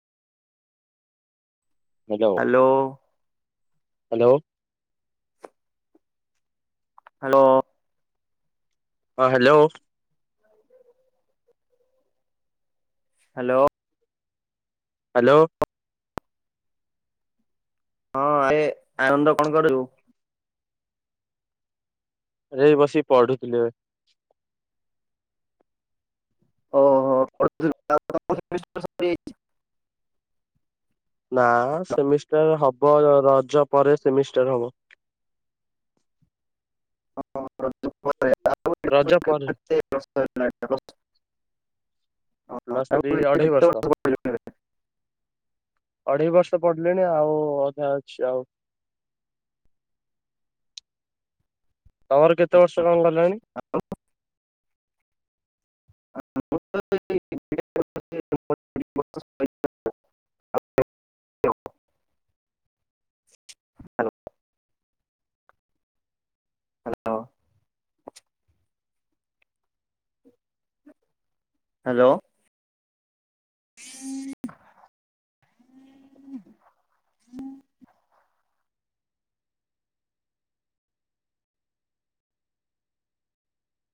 Hello. Hello. Hello. ହଁ hello. Hello. Hello. ହଁ ଏ ଆନନ୍ଦ କଣ କରଛୁ? ଏରେ ବସିିକି ପଢୁଥିଲେି ଏବେ। ଓହୋ [inaudible] ନା ସେମିଷ୍ଟାର ହବ ରଜ ପରେ ସେମିଷ୍ଟାର ହବ। ଁ [inaudible] ରଜ ପରେ [inaudible] ପ୍ଲସ୍ ଥ୍ରି ଅଢେଇ ବର୍ଷ ଅଢେଇ ବର୍ଷ ପଡ ଲିଣି ଆଉ ଅଧା ଅଛି ଆଉ। ତମର କେତେ ବର୍ଷ କଣ ଗଲାଣି? [inaudible] ହାଲୋ।